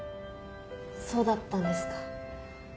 そうだったんですか。